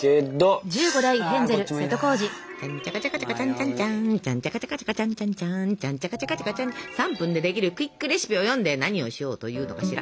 「チャンチャカチャカチャカチャンチャンチャン」３分でできるクイックレシピを読んで何をしようというのかしら？